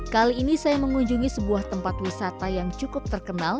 kali ini saya mengunjungi sebuah tempat wisata yang cukup terkenal